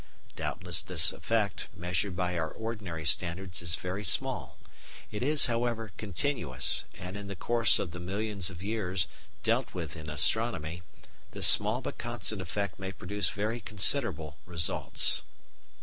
Doubtless this effect, measured by our ordinary standards, is very small; it is, however, continuous, and in the course of the millions of years dealt with in astronomy, this small but constant effect may produce very considerable results.